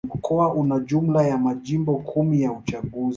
Mkoa una jumla ya Majimbo kumi ya uchaguzi